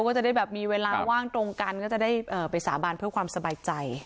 ก็จะได้แบบมีเวลาว่างตรงกันก็จะได้ไปสาบานเพื่อความสบายใจ